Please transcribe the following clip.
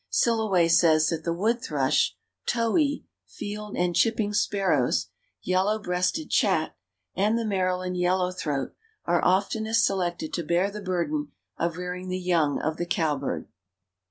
Silloway says that the wood thrush, towhee, field and chipping sparrows, yellow breasted chat, and the Maryland yellow throat are oftenest selected to bear the burden of rearing the young of the cowbird.